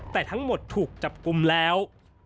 แต่ทั้งหมดถูกจับกลุ่มแล้ว